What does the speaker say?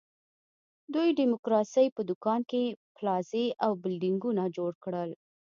دوی د ډیموکراسۍ په دوکان کې پلازې او بلډینګونه جوړ کړل.